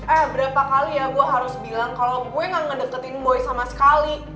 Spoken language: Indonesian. eh berapa kali ya gue harus bilang kalau gue gak ngedeketin boy sama sekali